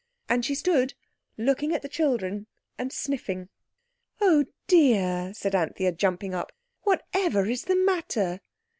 And she stood looking at the children and sniffing. "Oh, dear!" said Anthea, jumping up. "Whatever is the matter?"